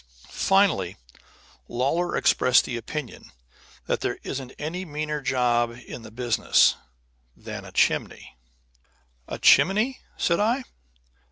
Finally, Lawlor expressed the opinion that there isn't any meaner job in the business than a chimney. "A chimney?" said I.